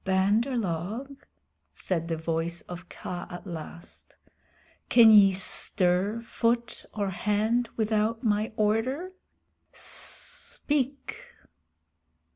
"Bandar log," said the voice of Kaa at last, "can ye stir foot or hand without my order? Speak!"